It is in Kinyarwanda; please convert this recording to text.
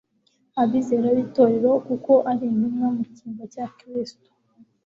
Abizera b'itorero kuko ari intumwa mu cyimbo cya Kristo